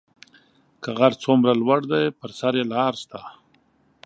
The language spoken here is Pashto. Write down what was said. که غر څومره لوړ دی پر سر یې لار شته